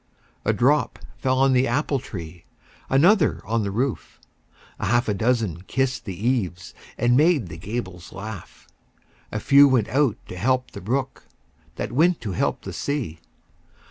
A drop fell on the apple tree, Another on the roof; A half a dozen kissed the eaves, And made the gables laugh. A few went out to help the brook, That went to help the sea.